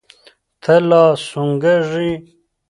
ته لا سونګه ږې.